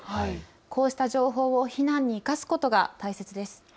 こうした情報を避難に生かすことが大切です。